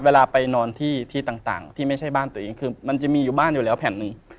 เวลาไปนอนที่ต่างที่ไม่ใช่บ้านตัวเองคือมันจะมีอยู่บ้านอยู่แล้วแผ่นหนึ่ง